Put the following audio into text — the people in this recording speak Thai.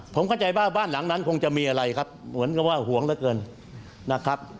ผมเข้าใจว่าบ้านหลังนั้นคงจะมีอะไรครับเหมือนกับว่าห่วงเหลือเกินนะครับ